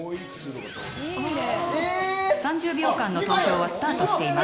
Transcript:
３０秒間の投票はスタートしています。